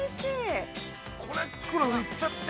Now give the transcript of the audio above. ◆これ黒田君、行っちゃって。